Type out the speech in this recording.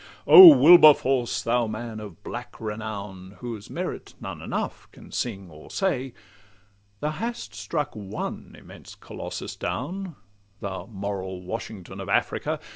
O Wilberforce! thou man of black renown, Whose merit none enough can sing or say, Thou hast struck one immense Colossus down, Thou moral Washington of Africa!